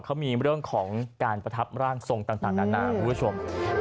เขามีเรื่องของการประทับร่างทรงต่างนานาคุณผู้ชม